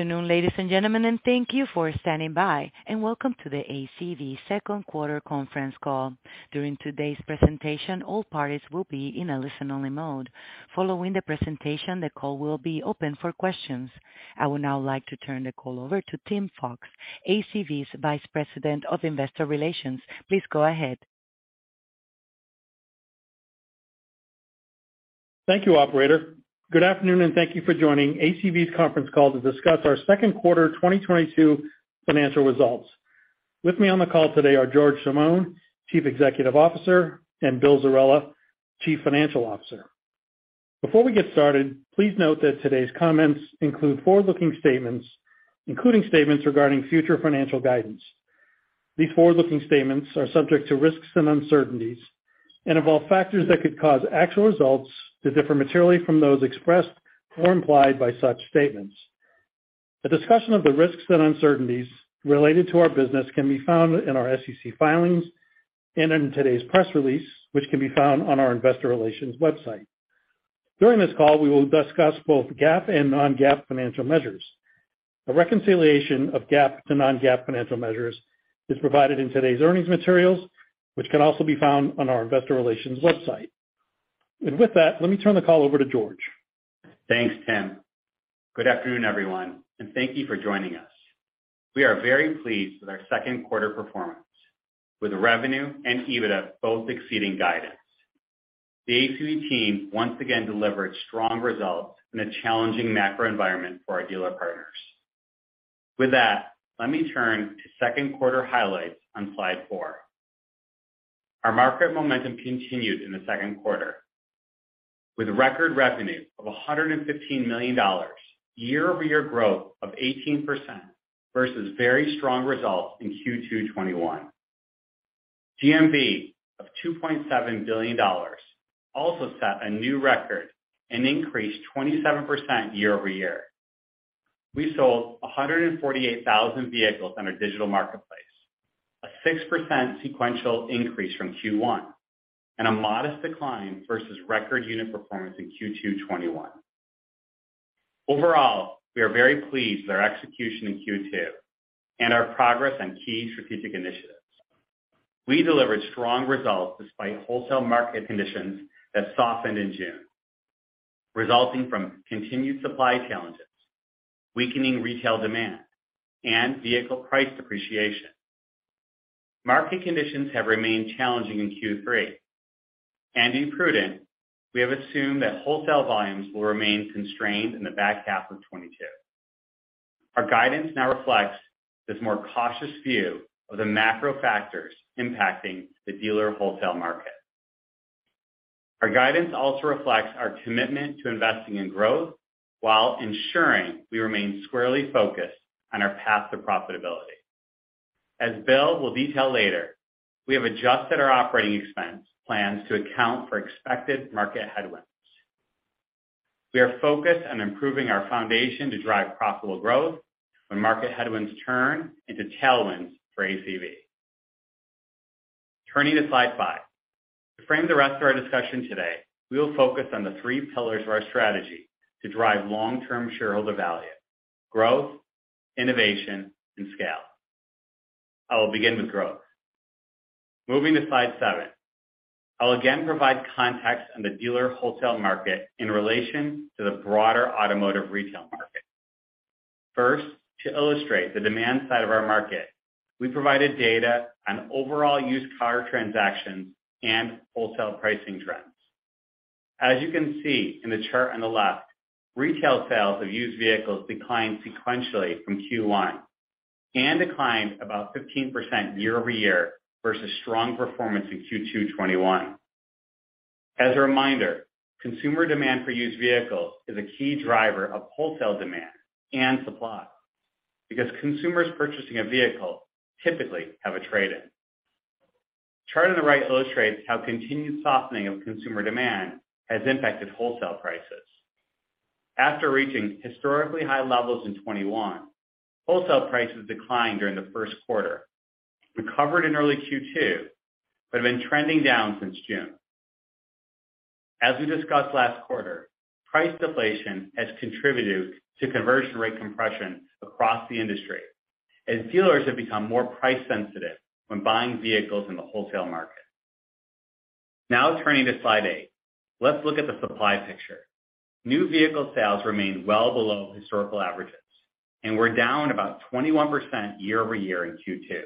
Good afternoon, ladies and gentlemen, and thank you for standing by, and welcome to the ACV second quarter conference call. During today's presentation, all parties will be in a listen-only mode. Following the presentation, the call will be open for questions. I would now like to turn the call over to Tim Fox, ACV's Vice President of Investor Relations. Please go ahead. Thank you, operator. Good afternoon, and thank you for joining ACV's conference call to discuss our second quarter 2022 financial results. With me on the call today are George Chamoun, Chief Executive Officer, and William Zerella, Chief Financial Officer. Before we get started, please note that today's comments include forward-looking statements, including statements regarding future financial guidance. These forward-looking statements are subject to risks and uncertainties and involve factors that could cause actual results to differ materially from those expressed or implied by such statements. A discussion of the risks and uncertainties related to our business can be found in our SEC filings and in today's press release, which can be found on our investor relations website. During this call, we will discuss both GAAP and non-GAAP financial measures. A reconciliation of GAAP to non-GAAP financial measures is provided in today's earnings materials, which can also be found on our investor relations website. With that, let me turn the call over to George. Thanks, Tim. Good afternoon, everyone, and thank you for joining us. We are very pleased with our second quarter performance, with revenue and EBITDA both exceeding guidance. The ACV team once again delivered strong results in a challenging macro environment for our dealer partners. With that, let me turn to second quarter highlights on slide four. Our market momentum continued in the second quarter with record revenue of $115 million, year-over-year growth of 18% versus very strong results in Q2 2021. GMV of $2.7 billion also set a new record and increased 27% year-over-year. We sold 148,000 vehicles on our digital marketplace, a 6% sequential increase from Q1, and a modest decline versus record unit performance in Q2 2021. Overall, we are very pleased with our execution in Q2 and our progress on key strategic initiatives. We delivered strong results despite wholesale market conditions that softened in June, resulting from continued supply challenges, weakening retail demand, and vehicle price depreciation. Market conditions have remained challenging in Q3. In our prudence, we have assumed that wholesale volumes will remain constrained in the back half of 2022. Our guidance now reflects this more cautious view of the macro factors impacting the dealer wholesale market. Our guidance also reflects our commitment to investing in growth while ensuring we remain squarely focused on our path to profitability. As Will will detail later, we have adjusted our operating expense plans to account for expected market headwinds. We are focused on improving our foundation to drive profitable growth when market headwinds turn into tailwinds for ACV. Turning to slide five. To frame the rest of our discussion today, we will focus on the three pillars of our strategy to drive long-term shareholder value, growth, innovation, and scale. I will begin with growth. Moving to slide seven. I'll again provide context on the dealer wholesale market in relation to the broader automotive retail market. First, to illustrate the demand side of our market, we provided data on overall used car transactions and wholesale pricing trends. As you can see in the chart on the left, retail sales of used vehicles declined sequentially from Q1 and declined about 15% year-over-year versus strong performance in Q2 2021. As a reminder, consumer demand for used vehicles is a key driver of wholesale demand and supply because consumers purchasing a vehicle typically have a trade-in. Chart on the right illustrates how continued softening of consumer demand has impacted wholesale prices. After reaching historically high levels in 2021, wholesale prices declined during the first quarter, recovered in early Q2, but have been trending down since June. As we discussed last quarter, price deflation has contributed to conversion rate compression across the industry as dealers have become more price sensitive when buying vehicles in the wholesale market. Now turning to slide eight. Let's look at the supply picture. New vehicle sales remain well below historical averages and were down about 21% year-over-year in Q2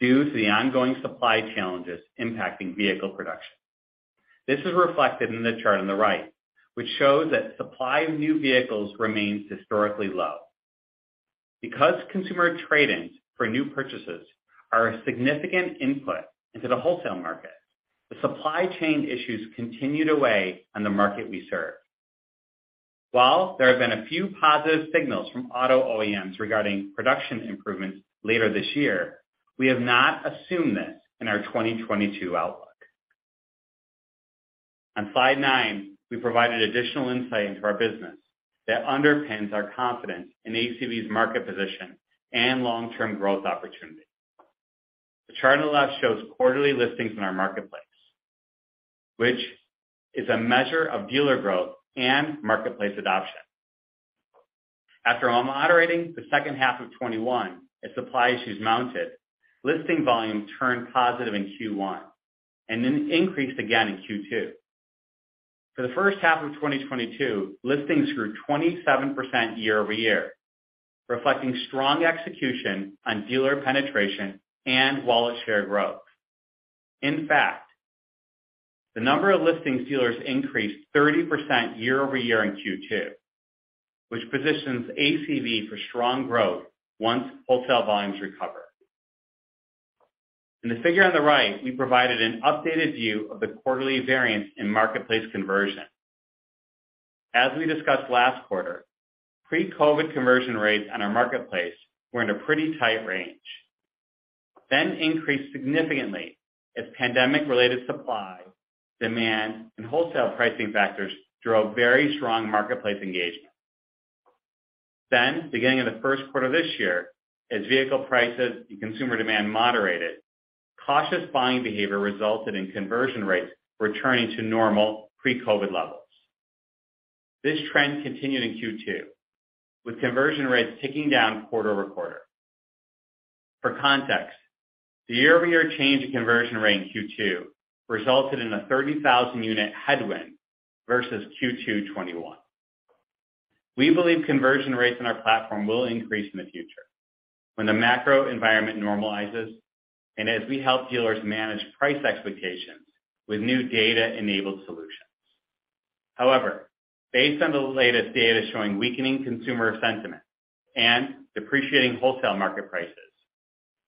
due to the ongoing supply challenges impacting vehicle production. This is reflected in the chart on the right, which shows that supply of new vehicles remains historically low. Because consumer trade-ins for new purchases are a significant input into the wholesale market, the supply chain issues continue to weigh on the market we serve. While there have been a few positive signals from auto OEMs regarding production improvements later this year, we have not assumed this in our 2022 outlook. On slide nine, we provided additional insight into our business that underpins our confidence in ACV's market position and long-term growth opportunity. The chart on the left shows quarterly listings in our marketplace, which is a measure of dealer growth and marketplace adoption. After all, moderating the second half of 2021, as supply issues mounted, listing volume turned positive in Q1 and then increased again in Q2. For the first half of 2022, listings grew 27% year-over-year, reflecting strong execution on dealer penetration and wallet share growth. In fact, the number of listing dealers increased 30% year-over-year in Q2, which positions ACV for strong growth once wholesale volumes recover. In the figure on the right, we provided an updated view of the quarterly variance in marketplace conversion. As we discussed last quarter, pre-COVID conversion rates on our marketplace were in a pretty tight range, then increased significantly as pandemic-related supply, demand, and wholesale pricing factors drove very strong marketplace engagement. Beginning in the first quarter this year, as vehicle prices and consumer demand moderated, cautious buying behavior resulted in conversion rates returning to normal pre-COVID levels. This trend continued in Q2 with conversion rates ticking down quarter-over-quarter. For context, the year-over-year change in conversion rate in Q2 resulted in a 30,000 unit headwind versus Q2 2021. We believe conversion rates in our platform will increase in the future when the macro environment normalizes and as we help dealers manage price expectations with new data-enabled solutions. However, based on the latest data showing weakening consumer sentiment and depreciating wholesale market prices,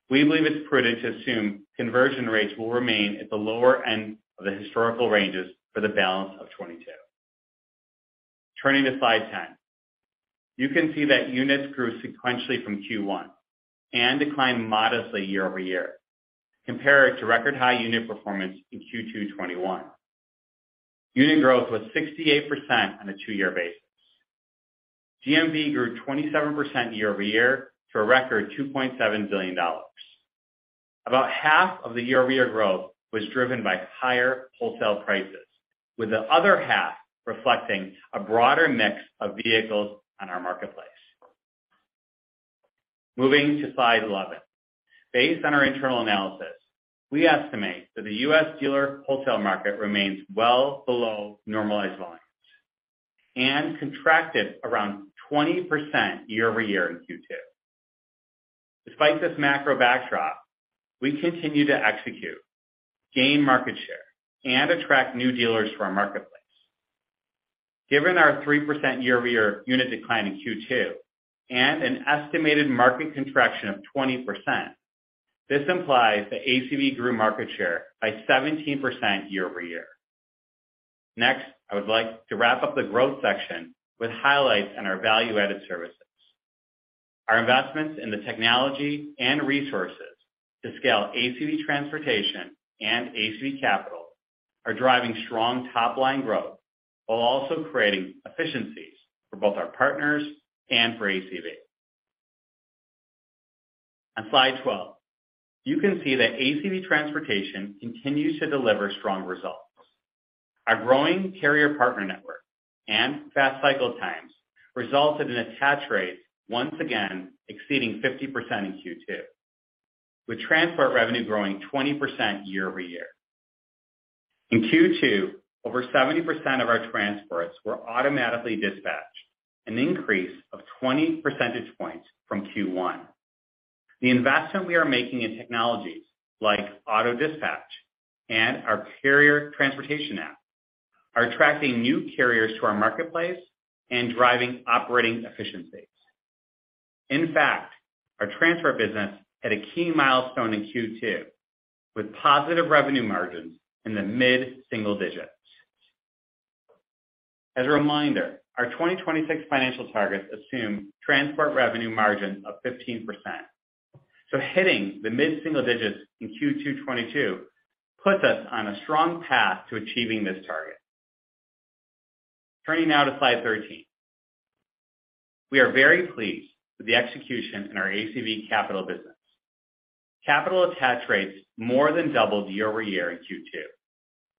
we believe it's prudent to assume conversion rates will remain at the lower end of the historical ranges for the balance of 2022. Turning to slide 10. You can see that units grew sequentially from Q1 and declined modestly year-over-year compared to record high unit performance in Q2 2021. Unit growth was 68% on a two-year basis. GMV grew 27% year-over-year to a record $2.7 billion. About half of the year-over-year growth was driven by higher wholesale prices, with the other half reflecting a broader mix of vehicles on our marketplace. Moving to slide 11. Based on our internal analysis, we estimate that the U.S. dealer wholesale market remains well below normalized volumes and contracted around 20% year-over-year in Q2. Despite this macro backdrop, we continue to execute, gain market share, and attract new dealers to our marketplace. Given our 3% year-over-year unit decline in Q2 and an estimated market contraction of 20%, this implies that ACV grew market share by 17% year-over-year. Next, I would like to wrap up the growth section with highlights on our value-added services. Our investments in the technology and resources to scale ACV Transportation and ACV Capital are driving strong top-line growth while also creating efficiencies for both our partners and for ACV. On slide 12, you can see that ACV Transportation continues to deliver strong results. Our growing carrier partner network and fast cycle times resulted in attach rates once again exceeding 50% in Q2, with transport revenue growing 20% year-over-year. In Q2, over 70% of our transports were automatically dispatched, an increase of 20% points from Q1. The investment we are making in technologies like auto dispatch and our carrier transportation app are attracting new carriers to our marketplace and driving operating efficiencies. In fact, our transport business had a key milestone in Q2 with positive revenue margins in the mid-single digits. As a reminder, our 2026 financial targets assume transport revenue margin of 15%. Hitting the mid-single digits in Q2 2022 puts us on a strong path to achieving this target. Turning now to slide 13. We are very pleased with the execution in our ACV Capital business. Capital attach rates more than doubled year-over-year in Q2,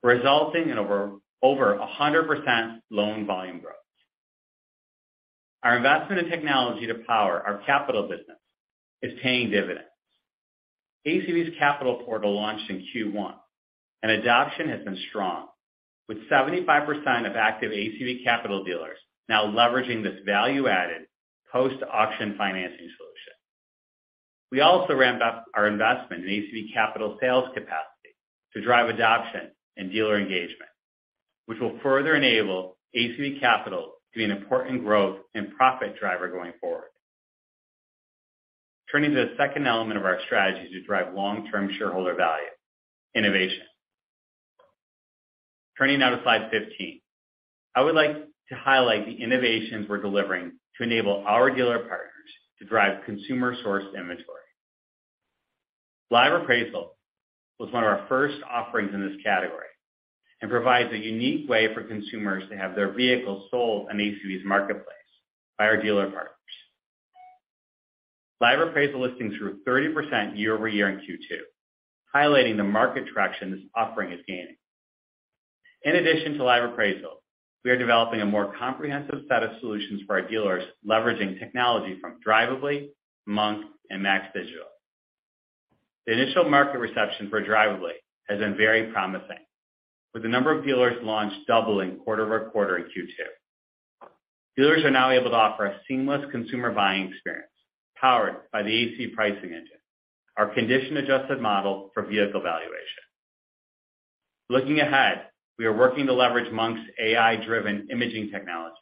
resulting in over a hundred percent loan volume growth. Our investment in technology to power our capital business is paying dividends. ACV Capital portal launched in Q1 and adoption has been strong, with 75% of active ACV Capital dealers now leveraging this value-added post-auction financing solution. We also ramped up our investment in ACV Capital sales capacity to drive adoption and dealer engagement, which will further enable ACV Capital to be an important growth and profit driver going forward. Turning to the second element of our strategy to drive long-term shareholder value. Innovation. Turning now to slide 15. I would like to highlight the innovations we're delivering to enable our dealer partners to drive consumer-sourced inventory. Live Appraisal was one of our first offerings in this category and provides a unique way for consumers to have their vehicles sold on ACV's marketplace by our dealer partners. Live Appraisal listings grew 30% year-over-year in Q2, highlighting the market traction this offering is gaining. In addition to Live Appraisal, we are developing a more comprehensive set of solutions for our dealers leveraging technology from Drivly, Monk, and MAX Digital. The initial market reception for Drivly has been very promising, with the number of dealers launched doubling quarter-over-quarter in Q2. Dealers are now able to offer a seamless consumer buying experience powered by the ACV pricing engine, our condition-adjusted model for vehicle valuation. Looking ahead, we are working to leverage Monk's AI-driven imaging technology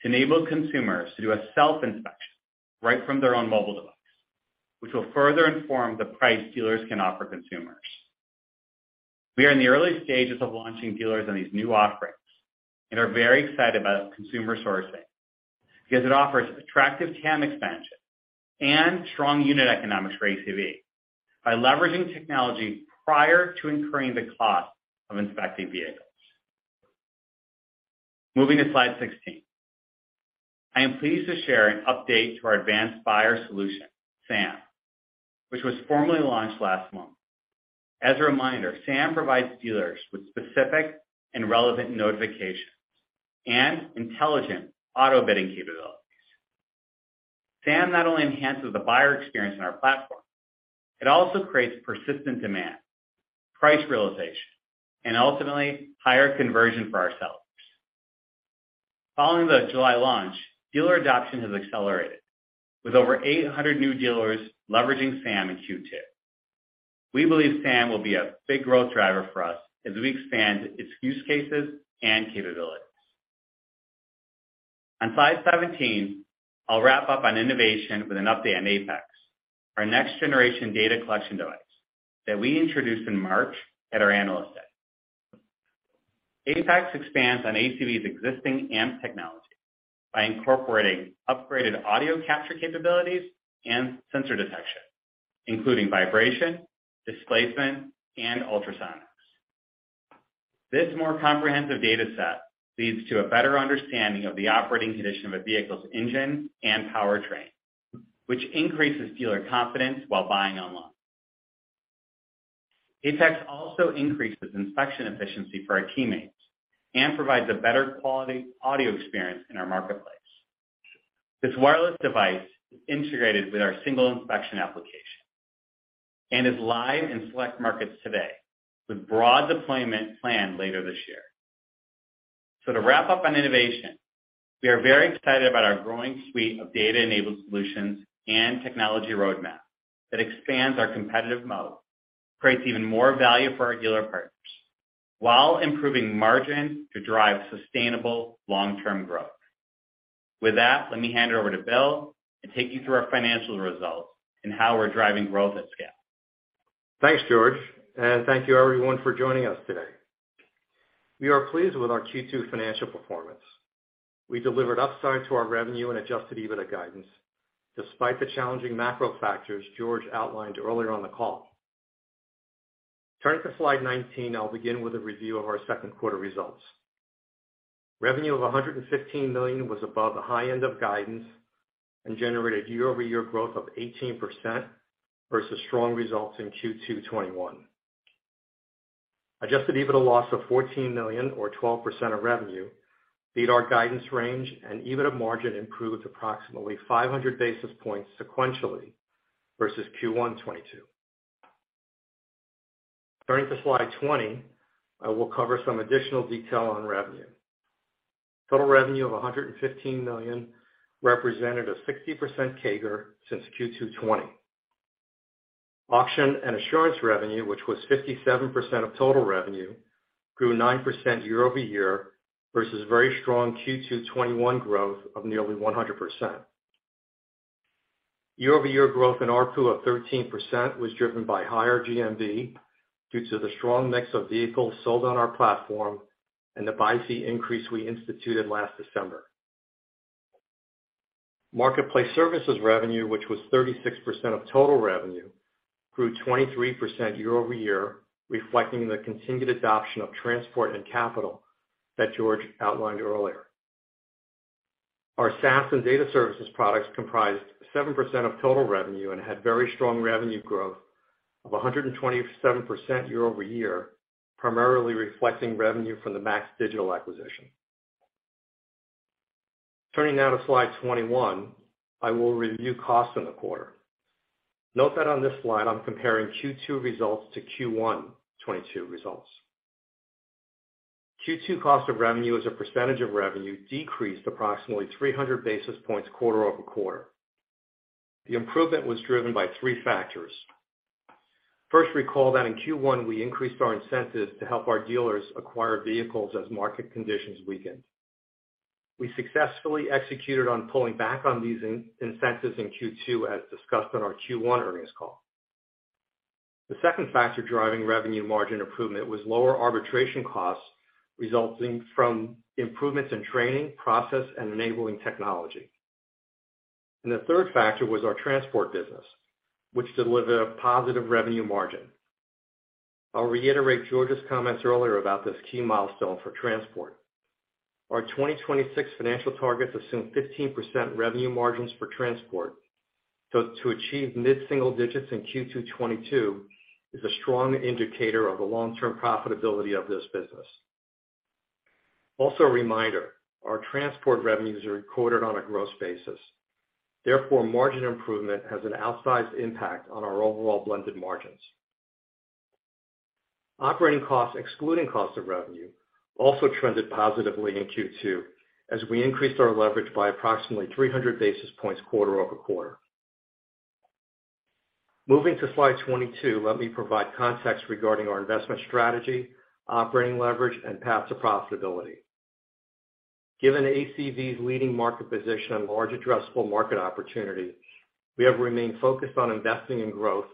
to enable consumers to do a self-inspection right from their own mobile device, which will further inform the price dealers can offer consumers. We are in the early stages of launching dealers on these new offerings and are very excited about consumer sourcing because it offers attractive TAM expansion and strong unit economics for ACV by leveraging technology prior to incurring the cost of inspecting vehicles. Moving to slide 16. I am pleased to share an update to our advanced buyer solution, SAM, which was formally launched last month. As a reminder, SAM provides dealers with specific and relevant notifications and intelligent auto-bidding capabilities. SAM not only enhances the buyer experience in our platform, it also creates persistent demand, price realization, and ultimately higher conversion for our sellers. Following the July launch, dealer adoption has accelerated with over 800 new dealers leveraging SAM in Q2. We believe SAM will be a big growth driver for us as we expand its use cases and capabilities. On slide 17, I'll wrap up on innovation with an update on APEX, our next generation data collection device that we introduced in March at our analyst day. APEX expands on ACV's existing AMP technology by incorporating upgraded audio capture capabilities and sensor detection, including vibration, displacement, and ultrasonics. This more comprehensive data set leads to a better understanding of the operating condition of a vehicle's engine and powertrain, which increases dealer confidence while buying online. APEX also increases inspection efficiency for our teammates and provides a better quality audio experience in our marketplace. This wireless device is integrated with our single inspection application and is live in select markets today, with broad deployment planned later this year. To wrap up on innovation, we are very excited about our growing suite of data-enabled solutions and technology roadmap that expands our competitive moat, creates even more value for our dealer partners while improving margin to drive sustainable long-term growth. With that, let me hand it over to Will to take you through our financial results and how we're driving growth at scale. Thanks, George, and thank you everyone for joining us today. We are pleased with our Q2 financial performance. We delivered upside to our revenue and adjusted EBITDA guidance despite the challenging macro factors George outlined earlier on the call. Turning to slide 19, I'll begin with a review of our second quarter results. Revenue of $115 million was above the high end of guidance and generated year-over-year growth of 18% versus strong results in Q2 2021. Adjusted EBITDA loss of $14 million or 12% of revenue beat our guidance range and EBITDA margin improved approximately 500 bps sequentially versus Q1 2022. Turning to slide 20, I will cover some additional detail on revenue. Total revenue of $115 million represented a 60% CAGR since Q2 2020. Auction and assurance revenue, which was 57% of total revenue, grew 9% year-over-year versus very strong Q2 2021 growth of nearly 100%. Year-over-year growth in ARPU of 13% was driven by higher GMV due to the strong mix of vehicles sold on our platform and the buy fee increase we instituted last December. Marketplace services revenue, which was 36% of total revenue, grew 23% year-over-year, reflecting the continued adoption of transport and capital that George outlined earlier. Our SaaS and data services products comprised 7% of total revenue and had very strong revenue growth of 127% year-over-year, primarily reflecting revenue from the MAX Digital acquisition. Turning now to slide 21, I will review costs in the quarter. Note that on this slide I'm comparing Q2 results to Q1 2022 results. Q2 cost of revenue as a percentage of revenue decreased approximately 300 bps quarter-over-quarter. The improvement was driven by three factors. First, recall that in Q1 we increased our incentives to help our dealers acquire vehicles as market conditions weakened. We successfully executed on pulling back on these incentives in Q2, as discussed on our Q1 earnings call. The second factor driving revenue margin improvement was lower arbitration costs resulting from improvements in training, process, and enabling technology. The third factor was our transport business, which delivered a positive revenue margin. I'll reiterate George's comments earlier about this key milestone for transport. Our 2026 financial targets assume 15% revenue margins for transport. To achieve mid-single digits in Q2 2022 is a strong indicator of the long-term profitability of this business. Also a reminder, our transport revenues are recorded on a gross basis. Therefore, margin improvement has an outsized impact on our overall blended margins. Operating costs excluding cost of revenue also trended positively in Q2 as we increased our leverage by approximately 300 bps quarter-over-quarter. Moving to slide 22, let me provide context regarding our investment strategy, operating leverage, and path to profitability. Given ACV's leading market position and large addressable market opportunity, we have remained focused on investing in growth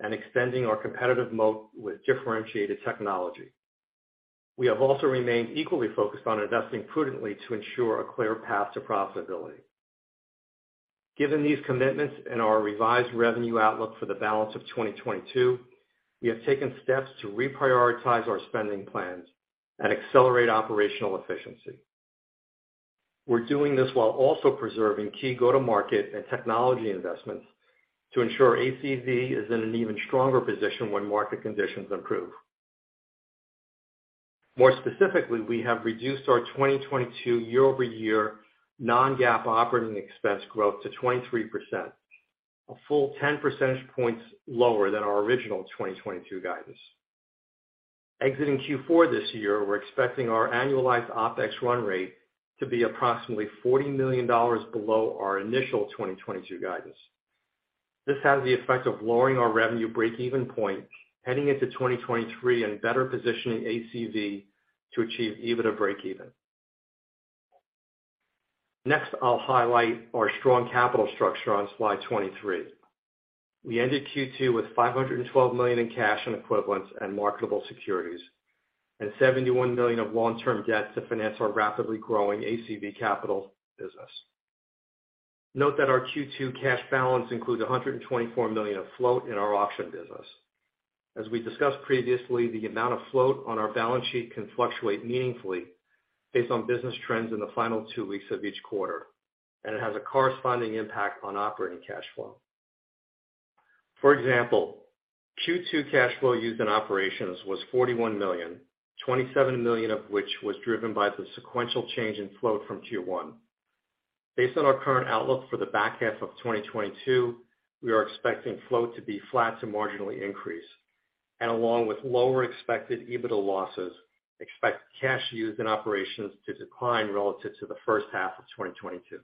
and extending our competitive moat with differentiated technology. We have also remained equally focused on investing prudently to ensure a clear path to profitability. Given these commitments and our revised revenue outlook for the balance of 2022, we have taken steps to reprioritize our spending plans and accelerate operational efficiency. We're doing this while also preserving key go-to-market and technology investments to ensure ACV is in an even stronger position when market conditions improve. More specifically, we have reduced our 2022 year-over-year non-GAAP operating expense growth to 23%, a full 10% points lower than our original 2022 guidance. Exiting Q4 this year, we're expecting our annualized OpEx run rate to be approximately $40 million below our initial 2022 guidance. This has the effect of lowering our revenue break-even point heading into 2023 and better positioning ACV to achieve EBITDA break even. Next, I'll highlight our strong capital structure on slide 23. We ended Q2 with $512 million in cash and equivalents and marketable securities, and $71 million of long-term debt to finance our rapidly growing ACV Capital business. Note that our Q2 cash balance includes $124 million of float in our auction business. As we discussed previously, the amount of float on our balance sheet can fluctuate meaningfully based on business trends in the final two weeks of each quarter, and it has a corresponding impact on operating cash flow. For example, Q2 cash flow used in operations was $41 million, $27 million of which was driven by the sequential change in float from Q1. Based on our current outlook for the back half of 2022, we are expecting float to be flat to marginally increased, and along with lower expected EBITDA losses, expect cash used in operations to decline relative to the first half of 2022.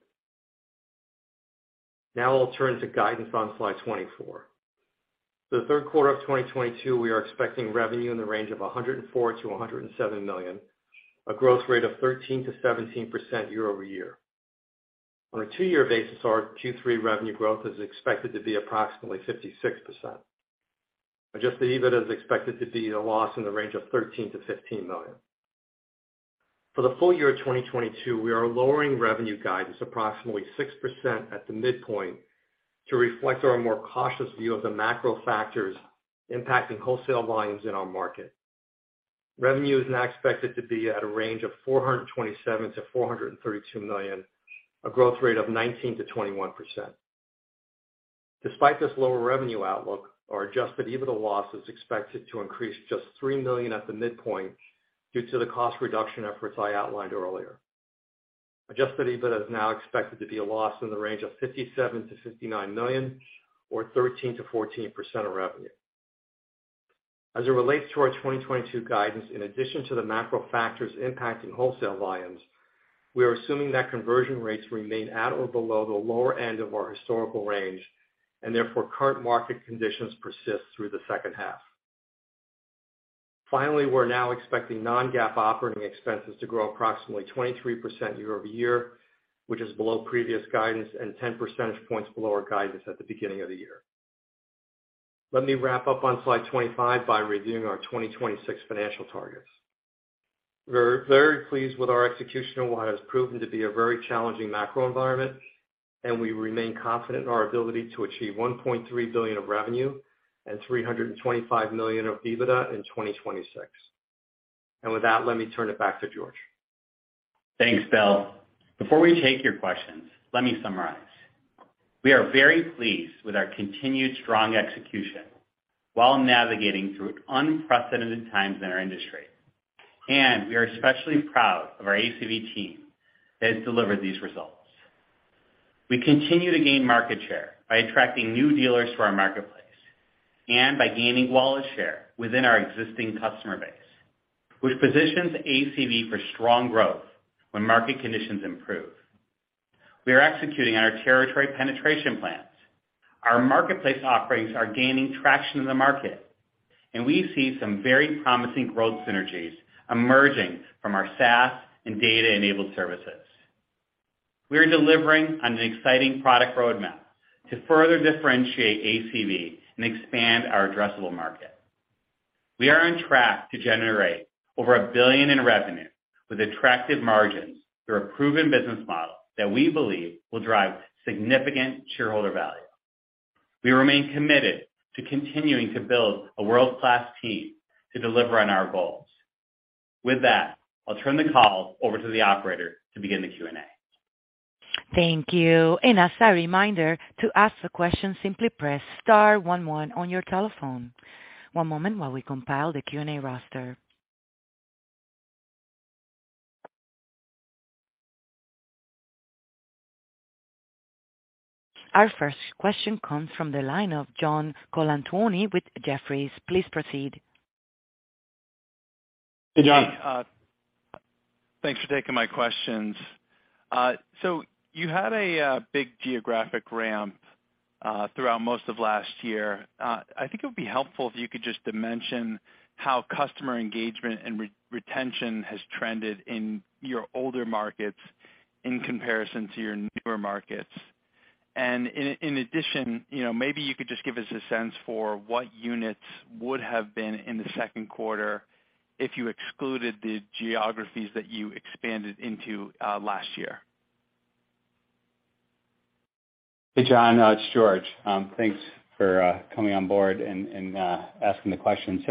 Now I'll turn to guidance on slide 24. For the third quarter of 2022, we are expecting revenue in the range of $104 million-$107 million, a growth rate of 13%-17% year-over-year. On a two-year basis, our Q3 revenue growth is expected to be approximately 56%. Adjusted EBITDA is expected to be a loss in the range of $13 million-$15 million. For the full-year of 2022, we are lowering revenue guidance approximately 6% at the midpoint to reflect our more cautious view of the macro factors impacting wholesale volumes in our market. Revenue is now expected to be at a range of $427 million-$432 million, a growth rate of 19%-21%. Despite this lower revenue outlook, our adjusted EBITDA loss is expected to increase just $3 million at the midpoint due to the cost reduction efforts I outlined earlier. Adjusted EBITDA is now expected to be a loss in the range of $57 million-$59 million or 13%-14% of revenue. As it relates to our 2022 guidance, in addition to the macro factors impacting wholesale volumes, we are assuming that conversion rates remain at or below the lower end of our historical range, and therefore, current market conditions persist through the second half. Finally, we're now expecting non-GAAP operating expenses to grow approximately 23% year-over-year, which is below previous guidance and ten percentage points below our guidance at the beginning of the year. Let me wrap up on slide 25 by reviewing our 2026 financial targets. We're very pleased with our execution in what has proven to be a very challenging macro environment, and we remain confident in our ability to achieve $1.3 billion of revenue and $325 million of EBITDA in 2026. With that, let me turn it back to George. Thanks, Will. Before we take your questions, let me summarize. We are very pleased with our continued strong execution while navigating through unprecedented times in our industry. We are especially proud of our ACV team that has delivered these results. We continue to gain market share by attracting new dealers to our marketplace and by gaining wallet share within our existing customer base, which positions ACV for strong growth when market conditions improve. We are executing on our territory penetration plans. Our marketplace offerings are gaining traction in the market, and we see some very promising growth synergies emerging from our SaaS and data-enabled services. We are delivering on an exciting product roadmap to further differentiate ACV and expand our addressable market. We are on track to generate over $1 billion in revenue with attractive margins through a proven business model that we believe will drive significant shareholder value. We remain committed to continuing to build a world-class team to deliver on our goals. With that, I'll turn the call over to the operator to begin the Q&A. Thank you. As a reminder, to ask a question, simply press star one one on your telephone. One moment while we compile the Q&A roster. Our first question comes from the line of John Colantuoni with Jefferies. Please proceed. Hey, George. Thanks for taking my questions. So you had a big geographic ramp throughout most of last year. I think it would be helpful if you could just dimension how customer engagement and retention has trended in your older markets in comparison to your newer markets. In addition, you know, maybe you could just give us a sense for what units would have been in the second quarter if you excluded the geographies that you expanded into last year. Hey, John Colantuoni, it's George Chamoun. Thanks for coming on board and asking the question.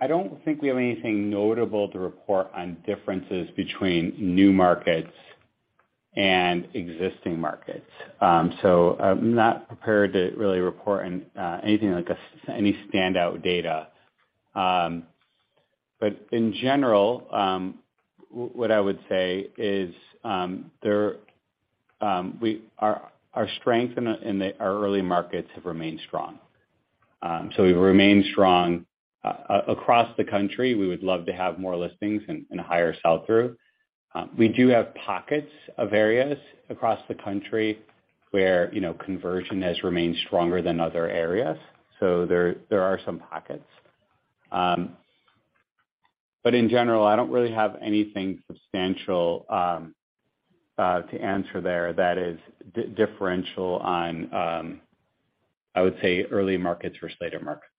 I don't think we have anything notable to report on differences between new markets and existing markets. I'm not prepared to really report on anything like any standout data. In general, what I would say is, our strength in our early markets have remained strong. We've remained strong across the country. We would love to have more listings and a higher sell-through. We do have pockets of areas across the country where, you know, conversion has remained stronger than other areas. There are some pockets. In general, I don't really have anything substantial to answer there that is differential on. I would say, early markets versus later markets.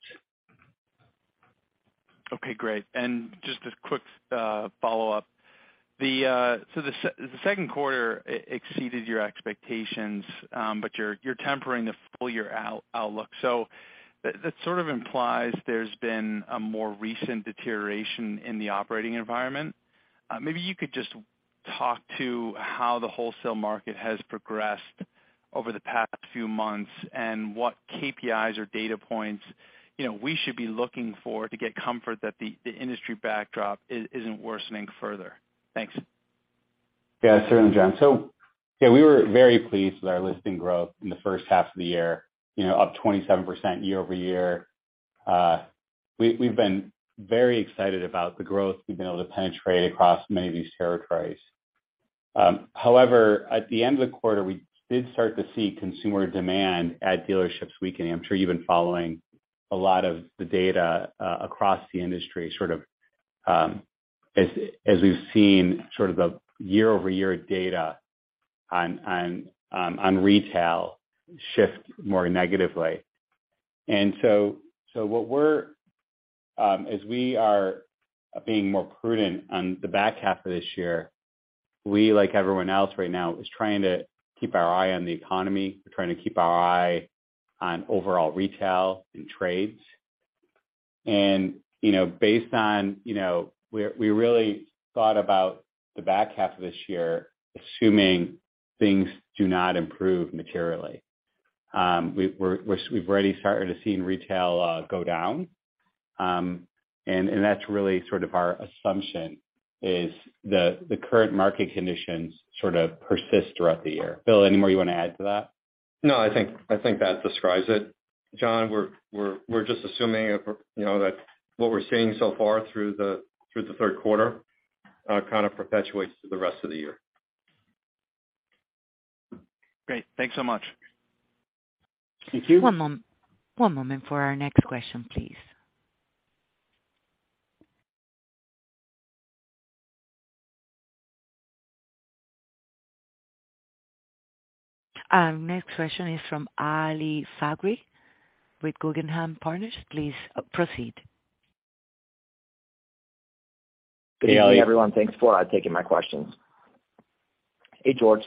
Okay, great. Just a quick follow-up. The second quarter exceeded your expectations, but you're tempering the full-year outlook. That sort of implies there's been a more recent deterioration in the operating environment. Maybe you could just talk to how the wholesale market has progressed over the past few months and what KPIs or data points, you know, we should be looking for to get comfort that the industry backdrop isn't worsening further. Thanks. Yeah, certainly, John. We were very pleased with our listing growth in the first half of the year, you know, up 27% year-over-year. We've been very excited about the growth we've been able to penetrate across many of these territories. However, at the end of the quarter, we did start to see consumer demand at dealerships weakening. I'm sure you've been following a lot of the data across the industry, sort of, as we've seen sort of the year-over-year data on retail shift more negatively. As we are being more prudent on the back half of this year, we, like everyone else right now, is trying to keep our eye on the economy. We're trying to keep our eye on overall retail and trades. You know, based on, you know, we really thought about the back half of this year, assuming things do not improve materially. We've already started to see retail go down. And that's really sort of our assumption is the current market conditions sort of persist throughout the year. Will, any more you want to add to that? No, I think that describes it. John, we're just assuming, you know, that what we're seeing so far through the third quarter kind of perpetuates through the rest of the year. Great. Thanks so much. Thank you. One moment for our next question, please. Our next question is from Ali Faghri with Guggenheim Partners. Please, proceed. Good evening, everyone. Thanks for taking my questions. Hey, George.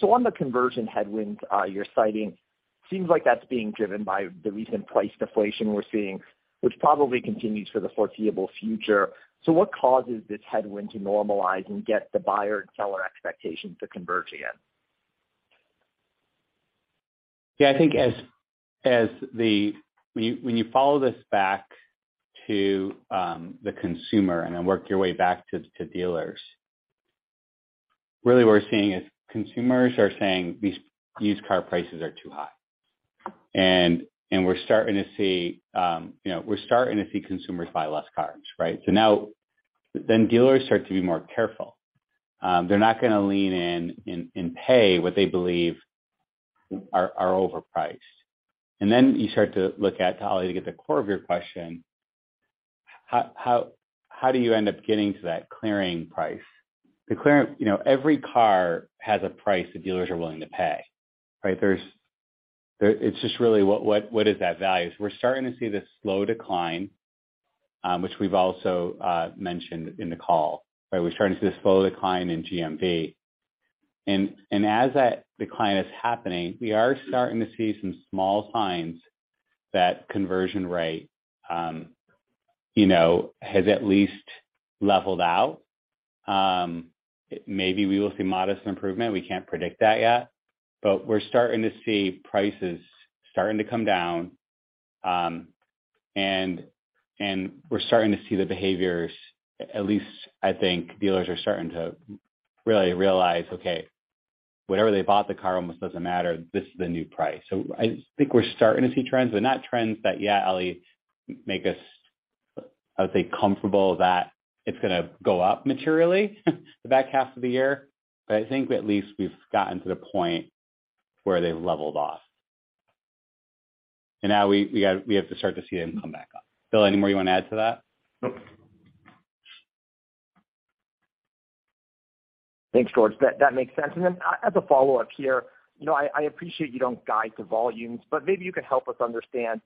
So on the conversion headwinds you're citing, seems like that's being driven by the recent price deflation we're seeing, which probably continues for the foreseeable future. What causes this headwind to normalize and get the buyer and seller expectations to converge again? Yeah, I think when you follow this back to the consumer and then work your way back to dealers, really what we're seeing is consumers are saying these used car prices are too high. We're starting to see consumers buy less cars, right? Dealers start to be more careful. They're not gonna lean in and pay what they believe are overpriced. You start to look to Ali to get the core of your question, how do you end up getting to that clearing price? You know, every car has a price that dealers are willing to pay, right? It's just really what is that value? We're starting to see this slow decline, which we've also mentioned in the call. We're starting to see a slow decline in GMV. As that decline is happening, we are starting to see some small signs that conversion rate, you know, has at least leveled out. Maybe we will see modest improvement. We can't predict that yet, but we're starting to see prices starting to come down, and we're starting to see the behaviors. At least, I think dealers are starting to really realize, okay, whatever they bought the car almost doesn't matter. This is the new price. I think we're starting to see trends, but not trends that yet, Ali, make us, I would say, comfortable that it's gonna go up materially the back half of the year. I think at least we've gotten to the point where they've leveled off. Now we have to start to see it and come back up. Will, any more you want to add to that? Nope. Thanks, George. That makes sense. As a follow-up here, I appreciate you don't guide to volumes, but maybe you can help us understand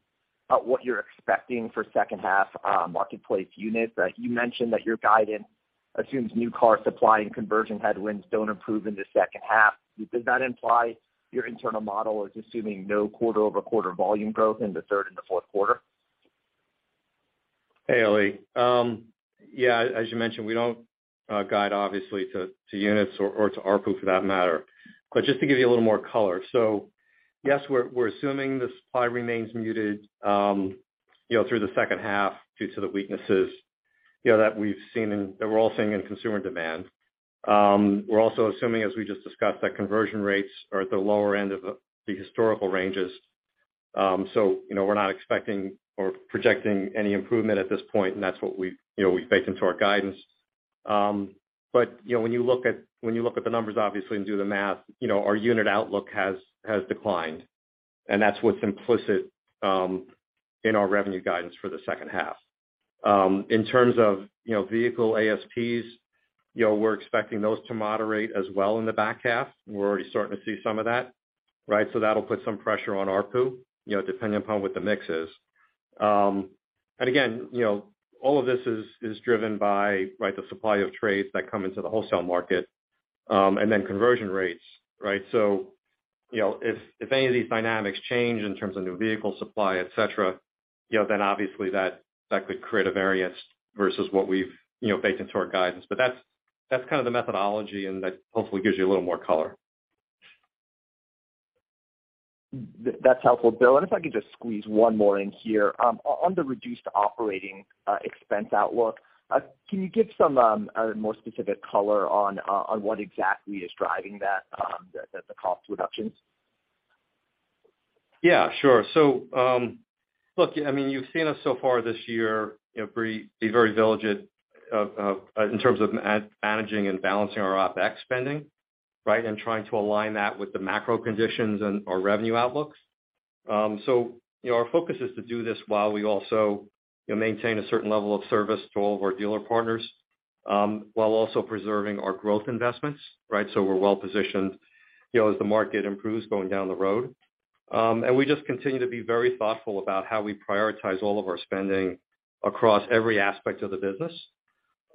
what you're expecting for second half marketplace units. You mentioned that your guidance assumes new car supply and conversion headwinds don't improve in the second half. Does that imply your internal model is assuming no quarter-over-quarter volume growth in the third and the fourth quarter? Hey, Ali. Yeah, as you mentioned, we don't guide obviously to units or to ARPU for that matter. Just to give you a little more color. Yes, we're assuming the supply remains muted, you know, through the second half due to the weaknesses, you know, that we've seen and that we're all seeing in consumer demand. We're also assuming, as we just discussed, that conversion rates are at the lower end of the historical ranges. You know, we're not expecting or projecting any improvement at this point, and that's what we've baked into our guidance. You know, when you look at the numbers obviously and do the math, you know, our unit outlook has declined. That's what's implicit in our revenue guidance for the second half. In terms of, you know, vehicle ASPs, you know, we're expecting those to moderate as well in the back half. We're already starting to see some of that, right? That'll put some pressure on ARPU, you know, depending upon what the mix is. Again, you know, all of this is driven by, right, the supply of trades that come into the wholesale market, and then conversion rates, right? You know, if any of these dynamics change in terms of new vehicle supply, et cetera, you know, then obviously that could create a variance versus what we've, you know, baked into our guidance. That's kind of the methodology, and that hopefully gives you a little more color. That's helpful, Will. If I could just squeeze one more in here, on the reduced operating expense outlook, can you give some more specific color on what exactly is driving that, the cost reductions? Yeah, sure. Look, I mean, you've seen us so far this year, you know, be very diligent in terms of managing and balancing our OpEx spending, right? Trying to align that with the macro conditions and our revenue outlooks. You know, our focus is to do this while we also, you know, maintain a certain level of service to all of our dealer partners, while also preserving our growth investments, right? We're well positioned, you know, as the market improves going down the road. We just continue to be very thoughtful about how we prioritize all of our spending across every aspect of the business.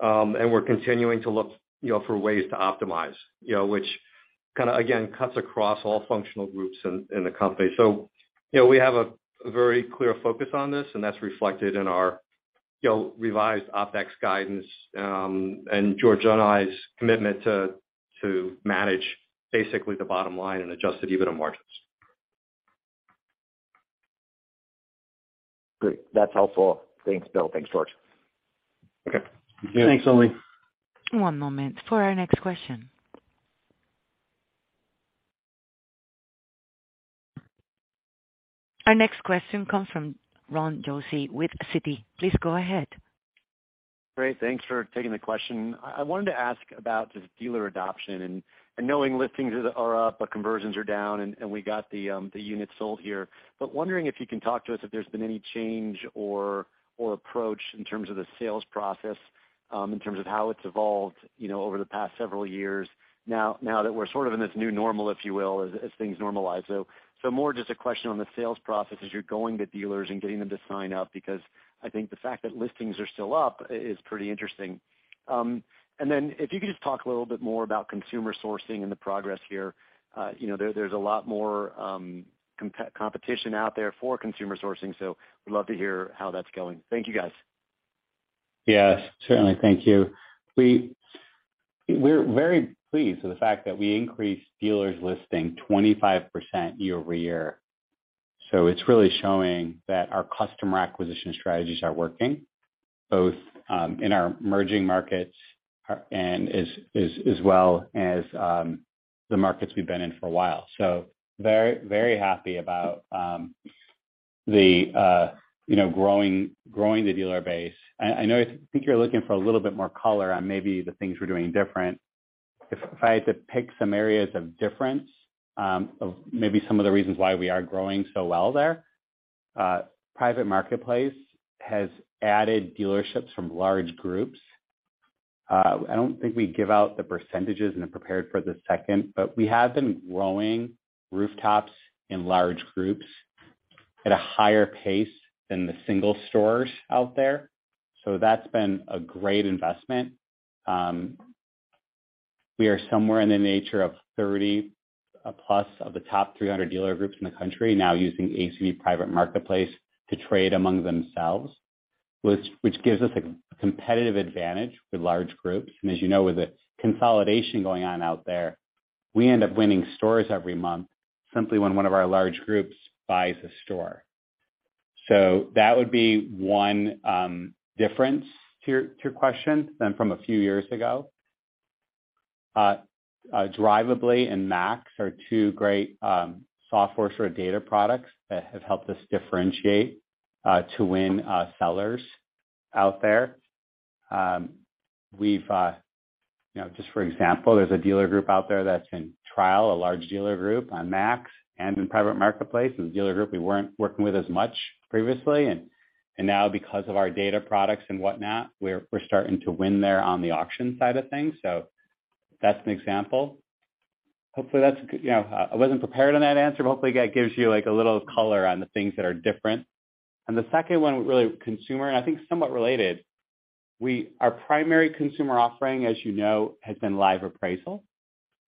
We're continuing to look, you know, for ways to optimize, you know, which kinda again, cuts across all functional groups in the company. You know, we have a very clear focus on this, and that's reflected in our, you know, revised OpEx guidance, and George and I's commitment to manage basically the bottom line and adjusted EBITDA margins. Great. That's helpful. Thanks, Will. Thanks, George. Okay. Thanks, Ali. One moment for our next question. Our next question comes from Ron Josey with Citi. Please go ahead. Great. Thanks for taking the question. I wanted to ask about just dealer adoption and knowing listings are up, but conversions are down and we got the units sold here. Wondering if you can talk to us if there's been any change or approach in terms of the sales process in terms of how it's evolved, you know, over the past several years now that we're sort of in this new normal, if you will, as things normalize. More just a question on the sales process as you're going to dealers and getting them to sign up, because I think the fact that listings are still up is pretty interesting. Then if you could just talk a little bit more about consumer sourcing and the progress here. You know, there's a lot more competition out there for consumer sourcing, so would love to hear how that's going. Thank you guys. Yes, certainly. Thank you. We're very pleased with the fact that we increased dealers listing 25% year-over-year. It's really showing that our customer acquisition strategies are working both in our emerging markets and as well as the markets we've been in for a while. We're very happy about you know, growing the dealer base. I know I think you're looking for a little bit more color on maybe the things we're doing different. If I had to pick some areas of difference, of maybe some of the reasons why we are growing so well there, Private Marketplace has added dealerships from large groups. I don't think we give out the percentages and are prepared for the second, but we have been growing rooftops in large groups at a higher pace than the single stores out there. So that's been a great investment. We are somewhere in the nature of 30+ of the top 300 dealer groups in the country now using ACV Private Marketplace to trade among themselves, which gives us a competitive advantage with large groups. As you know, with the consolidation going on out there, we end up winning stores every month simply when one of our large groups buys a store. That would be one difference to your question than from a few years ago. Drivably and MAX are two great software sort of data products that have helped us differentiate to win sellers out there. We've, you know, just for example, there's a dealer group out there that's in trial, a large dealer group on MAX and in Private Marketplace. It's a dealer group we weren't working with as much previously. Now because of our data products and whatnot, we're starting to win there on the auction side of things. That's an example. Hopefully that's, you know, I wasn't prepared on that answer, but hopefully that gives you, like, a little color on the things that are different. The second one, really consumer, and I think somewhat related, our primary consumer offering, as you know, has been Live Appraisal,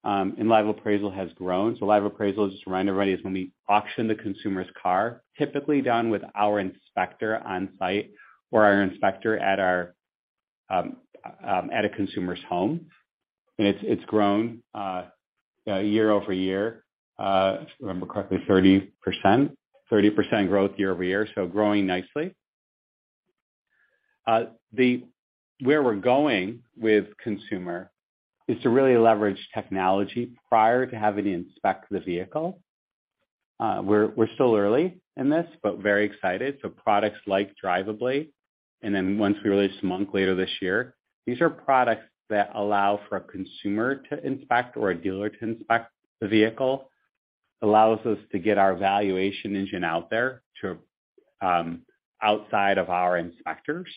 and Live Appraisal has grown. Live Appraisal, just to remind everybody, is when we auction the consumer's car, typically done with our inspector on site or our inspector at our, at a consumer's home. It's grown year-over-year, if I remember correctly, 30%. 30% growth year-over-year. Growing nicely. Where we're going with consumer is to really leverage technology prior to having to inspect the vehicle. We're still early in this, but very excited. Products like Drivably, and then once we release a month later this year, these are products that allow for a consumer to inspect or a dealer to inspect the vehicle. Allows us to get our valuation engine out there to outside of our inspectors.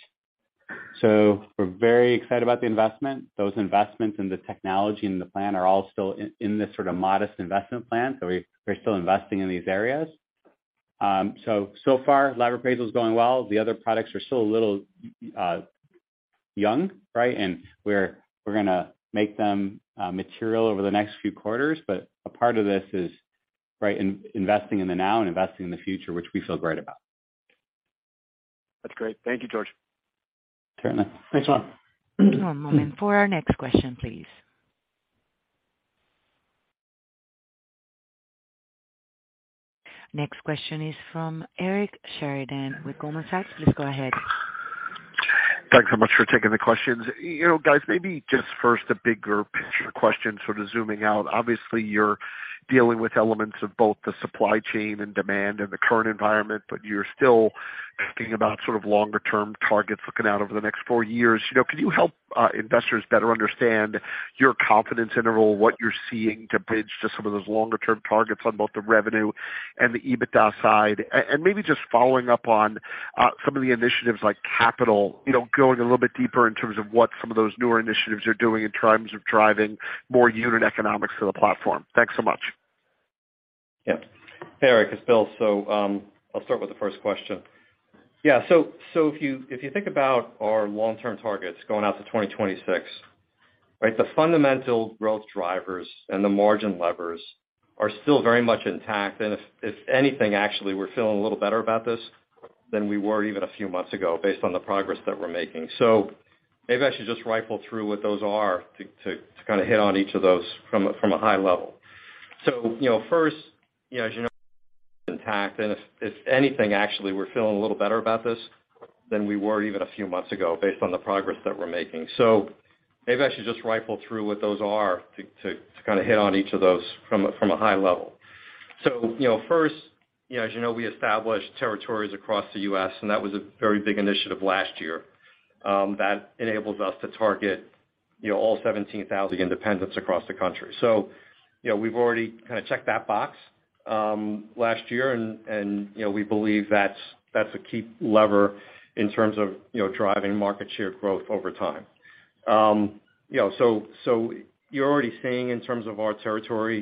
We're very excited about the investment. Those investments in the technology and the plan are all still in this sort of modest investment plan. We're still investing in these areas. So far, Live Appraisal is going well. The other products are still a little young, right? We're gonna make them material over the next few quarters. A part of this is investing in the now and investing in the future, which we feel great about. That's great. Thank you, George. Certainly. Thanks a lot. One moment. For our next question, please. Next question is from Eric Sheridan with Goldman Sachs. Please go ahead. Thanks so much for taking the questions. You know, guys, maybe just first a bigger picture question, sort of zooming out. Obviously, you're dealing with elements of both the supply chain and demand in the current environment, but you're still thinking about sort of longer-term targets looking out over the next four years. You know, can you help investors better understand your confidence interval, what you're seeing to bridge to some of those longer-term targets on both the revenue and the EBITDA side? And maybe just following up on some of the initiatives like capital, you know, going a little bit deeper in terms of what some of those newer initiatives are doing in terms of driving more unit economics to the platform. Thanks so much. Yeah. Eric, it's Will. I'll start with the first question. Yeah, so if you think about our long-term targets going out to 2026, right? The fundamental growth drivers and the margin levers are still very much intact. If anything, actually, we're feeling a little better about this than we were even a few months ago based on the progress that we're making. Maybe I should just rifle through what those are to kind of hit on each of those from a high level. You know, first, you know, as you know, intact, and if anything, actually, we're feeling a little better about this than we were even a few months ago based on the progress that we're making. Maybe I should just rifle through what those are to kind of hit on each of those from a high level. You know, first, you know, as you know, we established territories across the U.S., and that was a very big initiative last year that enables us to target, you know, all 17,000 independents across the country. You know, we've already kind of checked that box last year. You know, we believe that's a key lever in terms of, you know, driving market share growth over time. You know, so you're already seeing in terms of our territory,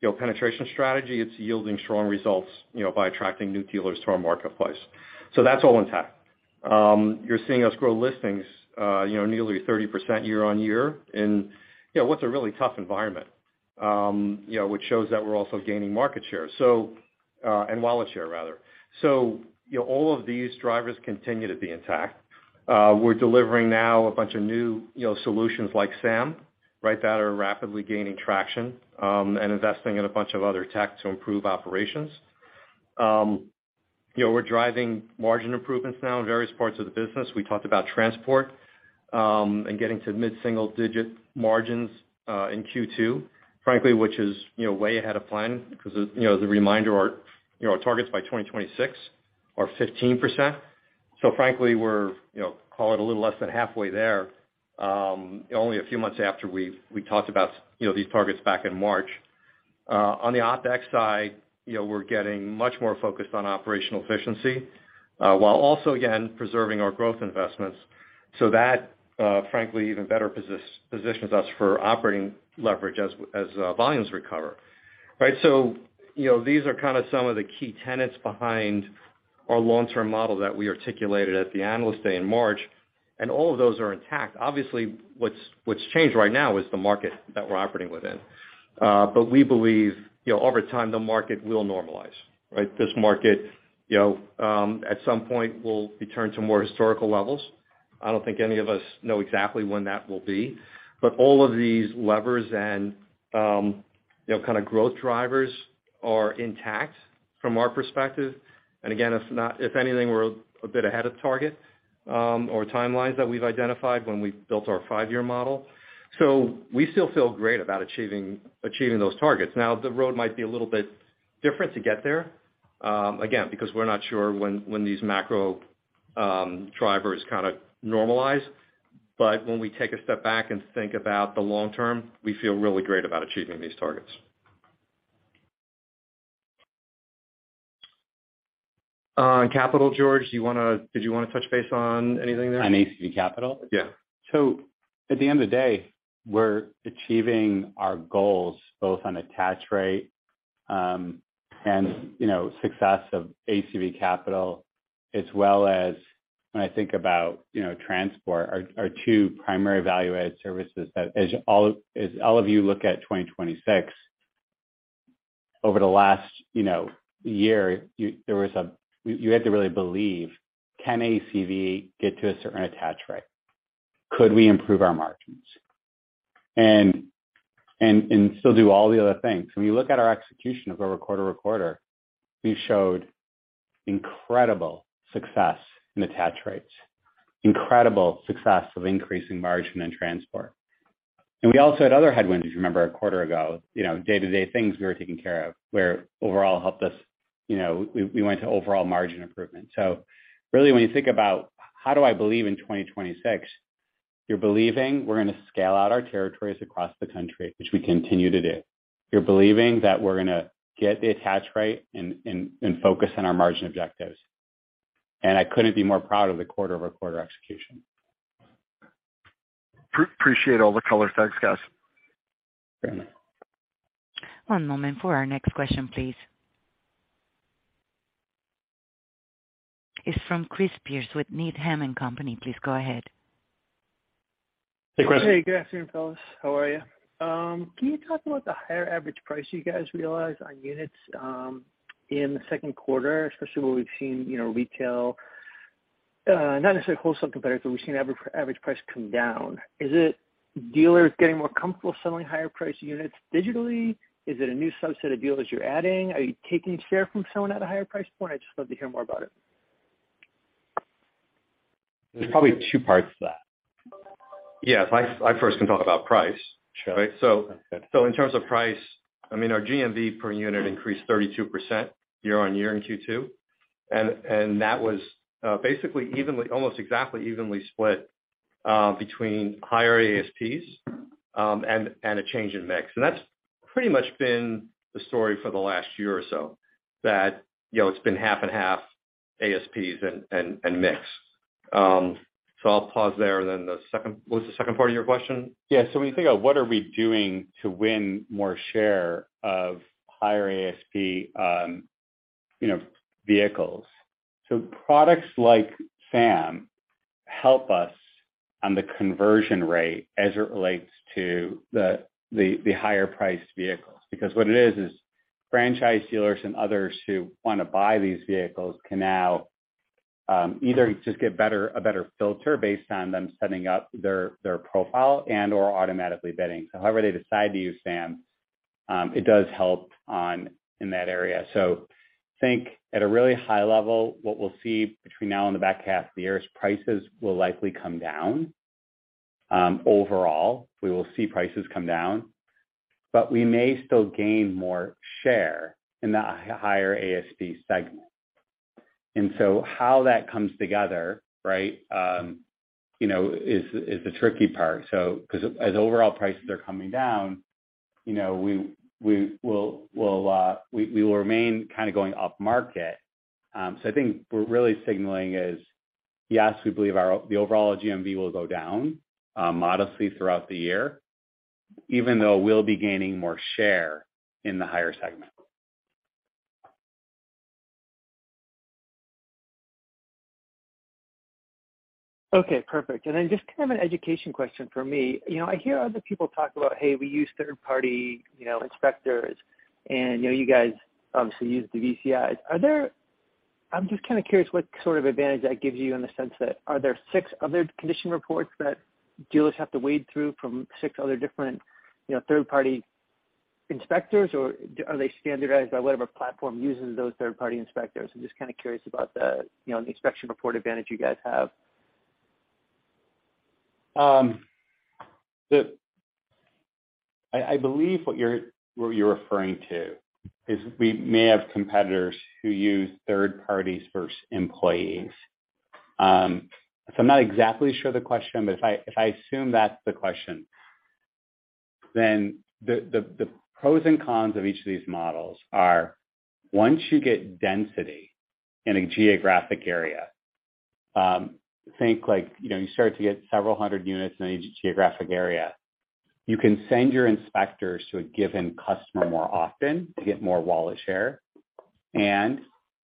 you know, penetration strategy, it's yielding strong results, you know, by attracting new dealers to our marketplace. That's all intact. You're seeing us grow listings, you know, nearly 30% year-on-year in, you know, what's a really tough environment, you know, which shows that we're also gaining market share so, and wallet share rather. You know, all of these drivers continue to be intact. We're delivering now a bunch of new, you know, solutions like SAM, right? That are rapidly gaining traction, and investing in a bunch of other tech to improve operations. You know, we're driving margin improvements now in various parts of the business. We talked about transport, and getting to mid-single-digit margins in Q2, frankly, which is, you know, way ahead of plan because, you know, as a reminder, our, you know, our targets by 2026 are 15%. Frankly, we're, you know, call it a little less than halfway there, only a few months after we talked about, you know, these targets back in March. On the OpEx side, you know, we're getting much more focused on operational efficiency, while also again preserving our growth investments so that, frankly, even better positions us for operating leverage as volumes recover. Right. You know, these are kind of some of the key tenets behind our long-term model that we articulated at the Analyst Day in March, and all of those are intact. Obviously, what's changed right now is the market that we're operating within. We believe, you know, over time the market will normalize, right? This market, you know, at some point will return to more historical levels. I don't think any of us know exactly when that will be, but all of these levers and, you know, kind of growth drivers are intact from our perspective. Again, if not. If anything, we're a bit ahead of target or timelines that we've identified when we built our five-year model. We still feel great about achieving those targets. Now, the road might be a little bit different to get there, again, because we're not sure when these macro drivers kind of normalize. When we take a step back and think about the long-term, we feel really great about achieving these targets. On capital, George, did you wanna touch base on anything there? On ACV Capital? Yeah. At the end of the day, we're achieving our goals both on attach rate and, you know, success of ACV Capital as well as when I think about, you know, transport are two primary value-add services that as all of you look at 2026 over the last, you know, year, you had to really believe can ACV get to a certain attach rate? Could we improve our margins and still do all the other things? When you look at our execution quarter-over-quarter, we showed incredible success in attach rates, incredible success of increasing margin and transport. We also had other headwinds, if you remember a quarter ago, you know, day-to-day things we were taking care of which overall helped us. You know, we went to overall margin improvement. Really when you think about how do I believe in 2026, you're believing we're gonna scale out our territories across the country, which we continue to do. You're believing that we're gonna get the attach rate and focus on our margin objectives. I couldn't be more proud of the quarter-over-quarter execution. Appreciate all the color. Thanks, guys. Yeah. One moment for our next question, please. It's from Chris Pierce with Needham & Company. Please go ahead. Hey, Chris. Hey, good afternoon, fellas. How are you? Can you talk about the higher average price you guys realized on units in the second quarter, especially where we've seen, you know, retail, not necessarily wholesale competitors, but we've seen average price come down. Is it dealers getting more comfortable selling higher priced units digitally? Is it a new subset of dealers you're adding? Are you taking share from someone at a higher price point? I'd just love to hear more about it. There's probably two parts to that. Yeah. I first can talk about price. Sure. Right. In terms of price, I mean, our GMV per unit increased 32% year-over-year in Q2. That was basically evenly, almost exactly evenly split between higher ASPs and a change in mix. That's pretty much been the story for the last year or so that, you know, it's been half and half ASPs and mix. I'll pause there. Then what was the second part of your question? Yeah. When you think about what are we doing to win more share of higher ASP, you know, vehicles. Products like SAM help us on the conversion rate as it relates to the higher priced vehicles. Because what it is franchise dealers and others who wanna buy these vehicles can now either just get a better filter based on them setting up their profile and or automatically bidding. However they decide to use SAM, it does help in that area. Think at a really high level, what we'll see between now and the back half of the year is prices will likely come down. Overall, we will see prices come down, but we may still gain more share in the higher ASP segment. How that comes together, right, you know, is the tricky part. Because as overall prices are coming down, you know, we will remain kind of going upmarket. I think what we're really signaling is, yes, we believe our, the overall GMV will go down, modestly throughout the year, even though we'll be gaining more share in the higher segment. Okay, perfect. Just kind of an education question for me. You know, I hear other people talk about, "Hey, we use third party, you know, inspectors," and, you know, you guys obviously use the VCIs. Are there? I'm just kinda curious what sort of advantage that gives you in the sense that are there six other condition reports that dealers have to wade through from six other different, you know, third party inspectors, or are they standardized by whatever platform uses those third party inspectors? I'm just kinda curious about the, you know, the inspection report advantage you guys have. I believe what you're referring to is we may have competitors who use third parties versus employees. I'm not exactly sure of the question, but if I assume that's the question, then the pros and cons of each of these models are once you get density in a geographic area, like, you know, you start to get several hundred units in any geographic area. You can send your inspectors to a given customer more often to get more wallet share, and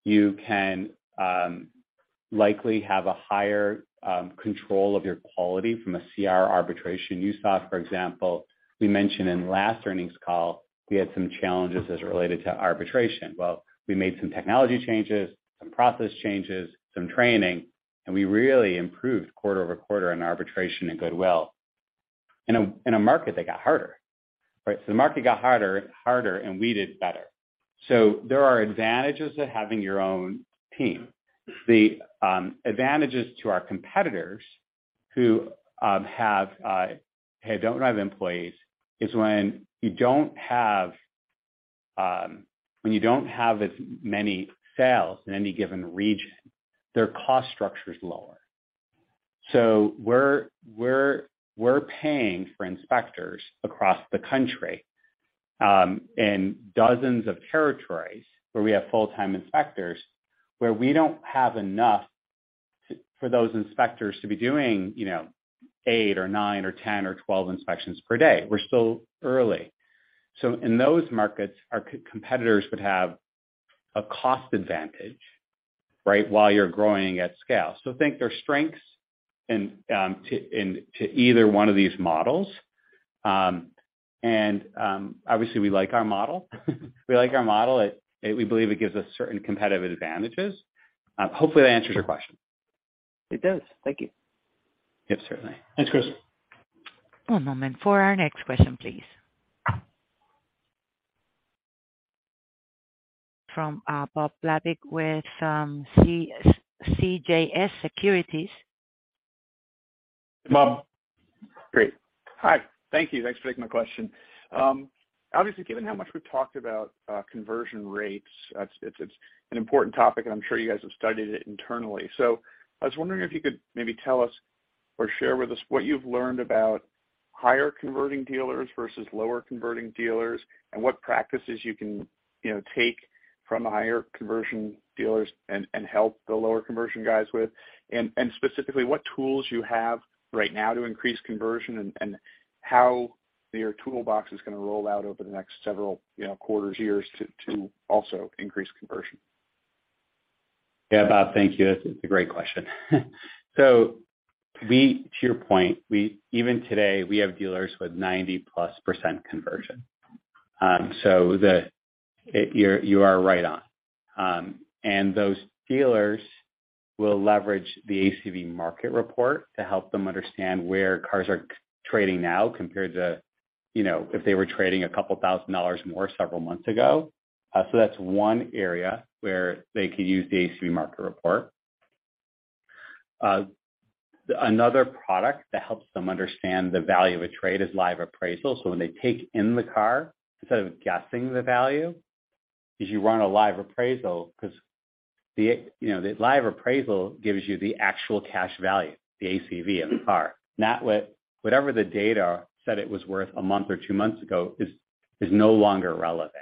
you can likely have a higher control of your quality from a CR arbitration. You saw, for example, we mentioned in last earnings call we had some challenges as related to arbitration. Well, we made some technology changes, some process changes, some training, and we really improved quarter-over-quarter on arbitration and goodwill in a market that got harder, right? The market got harder, and we did better. There are advantages to having your own team. The advantages to our competitors who don't have employees is when you don't have as many sales in any given region, their cost structure is lower. We're paying for inspectors across the country in dozens of territories where we have full-time inspectors, where we don't have enough for those inspectors to be doing, you know, eight or nine or 10 or 12 inspections per day. We're still early. In those markets, our competitors would have a cost advantage, right, while you're growing at scale. I think there are strengths to either one of these models. Obviously we like our model. It, we believe, it gives us certain competitive advantages. Hopefully that answers your question. It does. Thank you. Yes, certainly. Thanks, Chris. One moment for our next question, please. From Bob Labick with CJS Securities. Bob. Great. Hi. Thank you. Thanks for taking my question. Obviously, given how much we've talked about conversion rates, it's an important topic, and I'm sure you guys have studied it internally. I was wondering if you could maybe tell us or share with us what you've learned about higher converting dealers versus lower converting dealers and what practices you can, you know, take from the higher conversion dealers and help the lower conversion guys with. Specifically, what tools you have right now to increase conversion and how your toolbox is gonna roll out over the next several, you know, quarters, years to also increase conversion. Yeah. Bob, thank you. That's a great question. To your point, even today, we have dealers with 90%+ conversion. You are right on. Those dealers will leverage the ACV Market Report to help them understand where cars are trading now compared to, you know, if they were trading a couple thousand dollars more several months ago. That's one area where they could use the ACV Market Report. Another product that helps them understand the value of a trade is Live Appraisal. When they take in the car, instead of guessing the value, is you run a Live Appraisal 'cause the, you know, the Live Appraisal gives you the actual cash value, the ACV of the car. Not whatever the data said it was worth a month or two months ago is no longer relevant.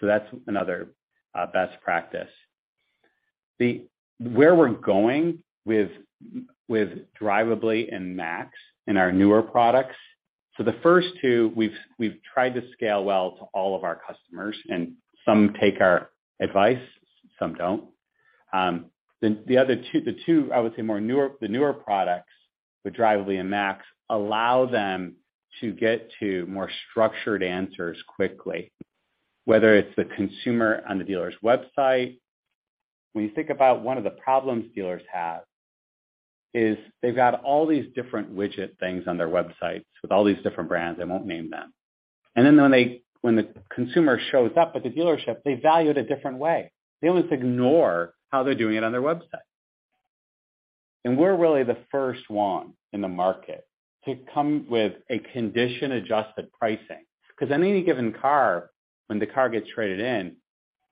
That's another best practice. Where we're going with Drivably and MAX and our newer products. The first two, we've tried to scale well to all of our customers, and some take our advice, some don't. Then the other two, I would say, more newer, the newer products, the Drivably and MAX, allow them to get to more structured answers quickly, whether it's the consumer on the dealer's website. When you think about one of the problems dealers have is they've got all these different widget things on their websites with all these different brands. I won't name them. When the consumer shows up at the dealership, they value it a different way. Dealers ignore how they're doing it on their website. We're really the first one in the market to come with a condition-adjusted pricing. 'Cause on any given car, when the car gets traded in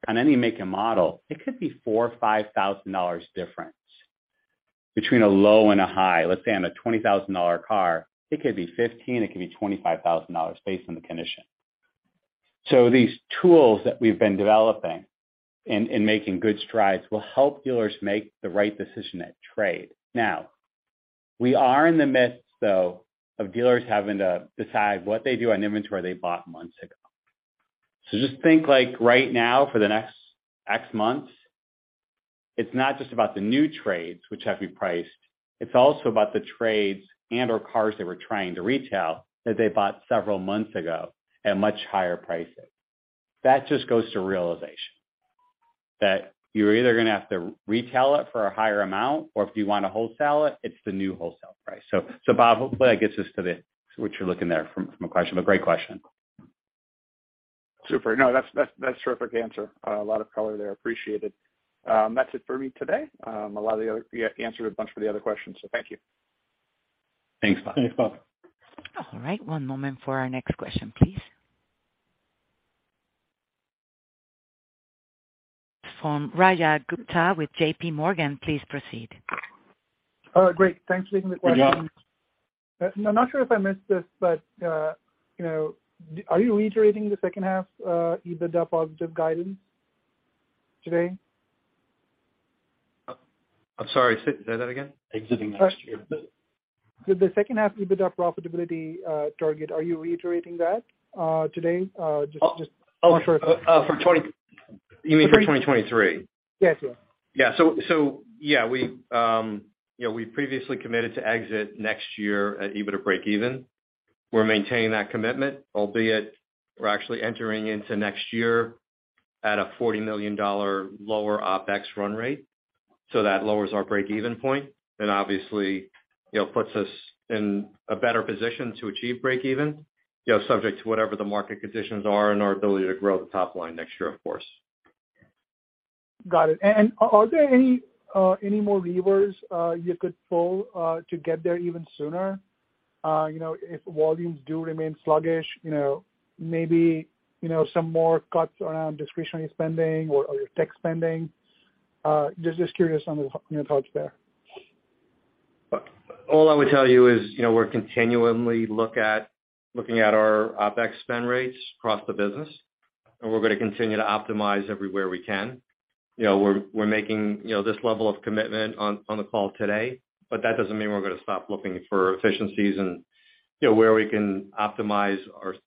on any make and model, it could be a $4,000-$5,000 difference between a low and a high. Let's say on a $20,000 car, it could be $15,000, it could be $25,000 based on the condition. These tools that we've been developing and making good strides will help dealers make the right decision at trade. Now, we are in the midst, though, of dealers having to decide what they do on inventory they bought months ago. Just think like right now for the next six months, it's not just about the new trades which have to be priced, it's also about the trades and/or cars they were trying to retail that they bought several months ago at much higher pricing. That just goes to realization, that you're either gonna have to retail it for a higher amount, or if you want to wholesale it's the new wholesale price. Bob, hopefully that gets us to the what you're looking there from a question. Great question. Super. No, that's a terrific answer. A lot of color there. Appreciated. That's it for me today. You answered a bunch of the other questions, so thank you. Thanks, Bob. All right. One moment for our next question, please. From Rajat Gupta with J.P. Morgan, please proceed. Great. Thanks for taking the question. Raja. I'm not sure if I missed this, but, you know, are you reiterating the second half, EBITDA positive guidance today? I'm sorry. Say that again? The second half EBITDA profitability target, are you reiterating that today? Oh. I'm not sure. You mean for 2023? Yes, yes. We previously committed to exit next year at EBITDA breakeven. We're maintaining that commitment, albeit we're actually entering into next year at a $40 million lower OpEx run rate, so that lowers our breakeven point and obviously, you know, puts us in a better position to achieve breakeven, you know, subject to whatever the market conditions are and our ability to grow the top line next year, of course. Got it. Are there any more levers you could pull to get there even sooner? You know, if volumes do remain sluggish, you know, maybe, you know, some more cuts around discretionary spending or tech spending? Just curious on your thoughts there. All I would tell you is, you know, we're continually looking at our OpEx spend rates across the business, and we're gonna continue to optimize everywhere we can. You know, we're making, you know, this level of commitment on the call today, but that doesn't mean we're gonna stop looking for efficiencies and, you know, where we can optimize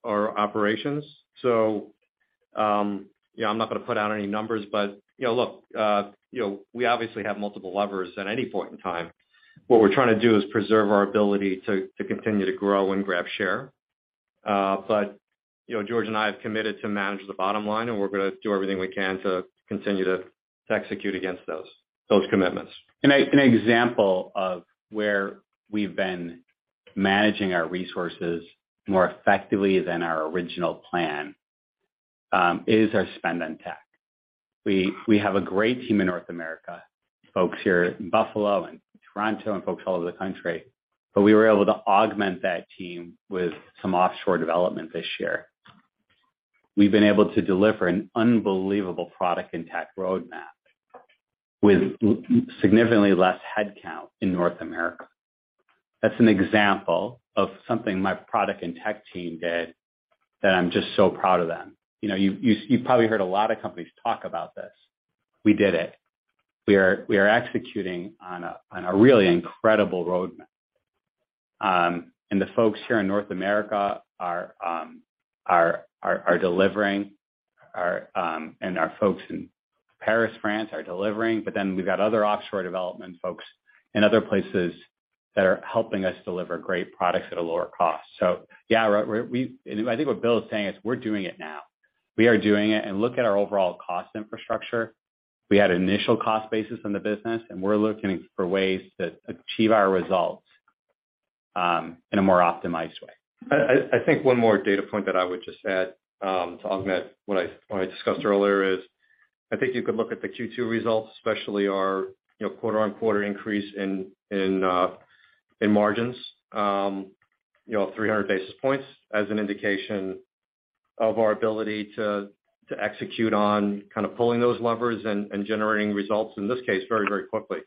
our operations. You know, I'm not gonna put out any numbers, but, you know, look, you know, we obviously have multiple levers at any point in time. What we're trying to do is preserve our ability to continue to grow and grab share. You know, George and I have committed to manage the bottom line, and we're gonna do everything we can to continue to execute against those commitments. An example of where we've been managing our resources more effectively than our original plan is our spend on tech. We have a great team in North America, folks here in Buffalo and Toronto and folks all over the country, but we were able to augment that team with some offshore development this year. We've been able to deliver an unbelievable product in tech roadmap with significantly less headcount in North America. That's an example of something my product and tech team did that I'm just so proud of them. You know, you've probably heard a lot of companies talk about this. We did it. We are executing on a really incredible roadmap. The folks here in North America are delivering our, and our folks in Paris, France are delivering, but then we've got other offshore development folks in other places that are helping us deliver great products at a lower cost. Yeah, we're doing it now. I think what Will is saying is we're doing it now. Look at our overall cost infrastructure. We had initial cost basis in the business, and we're looking for ways to achieve our results in a more optimized way. I think one more data point that I would just add to augment what I discussed earlier is I think you could look at the Q2 results, especially our, you know, quarter-on-quarter increase in margins, you know, 300 bps as an indication of our ability to execute on kind of pulling those levers and generating results, in this case very quickly,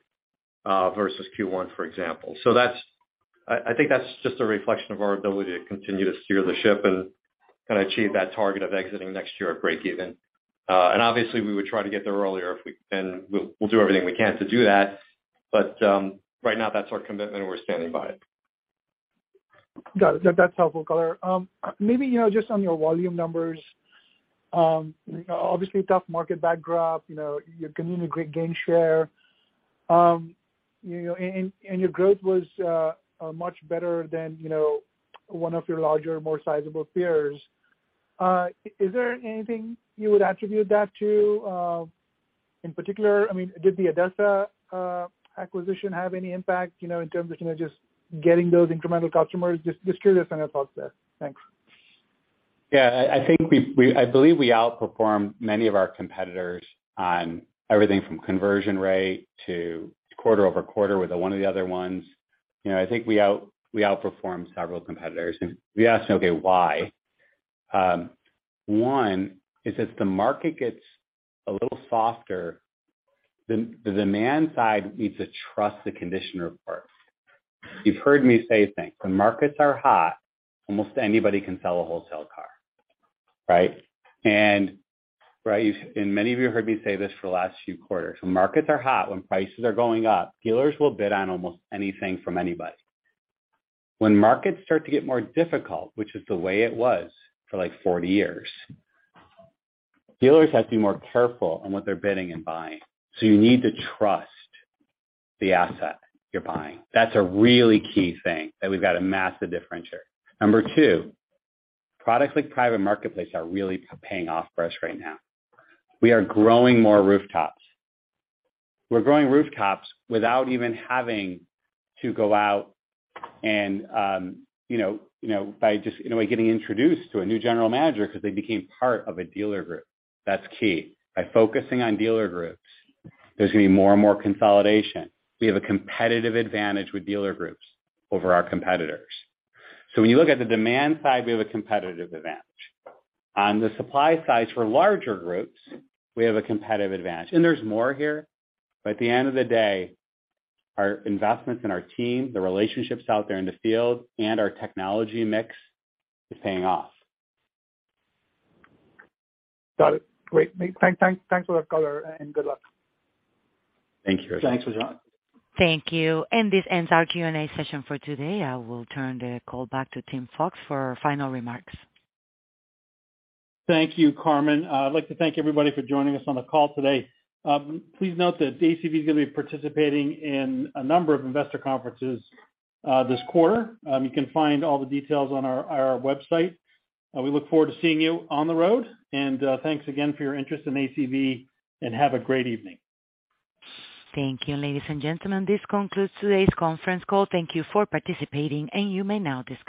versus Q1, for example. That's just a reflection of our ability to continue to steer the ship and kinda achieve that target of exiting next year at breakeven. Obviously we would try to get there earlier if we can. We'll do everything we can to do that. Right now that's our commitment, and we're standing by it. Got it. That's helpful color. Maybe, you know, just on your volume numbers, obviously tough market backdrop. You know, you're continuing to gain share. You know, and your growth was much better than, you know, one of your larger, more sizable peers. Is there anything you would attribute that to, in particular? I mean, did the ADESA acquisition have any impact, you know, in terms of, you know, just getting those incremental customers? Just curious on your thoughts there. Thanks. Yeah. I believe we outperformed many of our competitors on everything from conversion rate to quarter-over-quarter with one of the other ones. You know, I think we outperformed several competitors. If you ask, okay, why? One is if the market gets a little softer, the demand side needs to trust the condition reports. You've heard me say things. When markets are hot, almost anybody can sell a wholesale car, right? Raja, many of you heard me say this for the last few quarters. When markets are hot, when prices are going up, dealers will bid on almost anything from anybody. When markets start to get more difficult, which is the way it was for like 40 years, dealers have to be more careful on what they're bidding and buying. You need to trust the asset you're buying. That's a really key thing that we've got a massive differentiator. Number two, products like Private Marketplaces are really paying off for us right now. We are growing more rooftops. We're growing rooftops without even having to go out and, you know, by just, in a way, getting introduced to a new general manager because they became part of a dealer group. That's key. By focusing on dealer groups, there's gonna be more and more consolidation. We have a competitive advantage with dealer groups over our competitors. When you look at the demand side, we have a competitive advantage. On the supply side for larger groups, we have a competitive advantage. There's more here. At the end of the day, our investments in our team, the relationships out there in the field, and our technology mix is paying off. Got it. Great. Thanks for that color and good luck. Thank you, Raja. Thanks, Rajat. Thank you. This ends our Q&A session for today. I will turn the call back to Tim Fox for final remarks. Thank you, Carmen. I'd like to thank everybody for joining us on the call today. Please note that ACV is gonna be participating in a number of investor conferences this quarter. You can find all the details on our website. We look forward to seeing you on the road. Thanks again for your interest in ACV, and have a great evening. Thank you, ladies and gentlemen. This concludes today's conference call. Thank you for participating, and you may now disconnect.